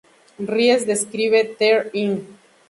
Ries describe There Inc.